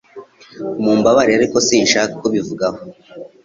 Mumbabarire ariko sinshaka kubivugaho